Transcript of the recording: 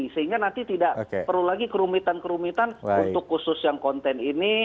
sehingga nanti tidak perlu lagi kerumitan kerumitan untuk khusus yang konten ini